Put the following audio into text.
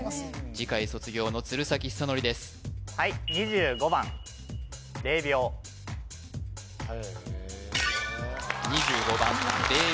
次回卒業の鶴崎修功ですはいへえ２５番れい